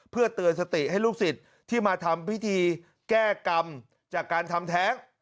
เพื่อเตือนสติให้ลูกศิษย์ที่มาทำพิธีแก้กรรมจากการทำแท้ง